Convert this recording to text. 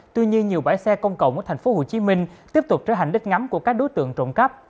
tuy nhiên nhiều bãi xe công cộng ở tp hcm tiếp tục trở thành đích ngắm của các đối tượng trộm cắp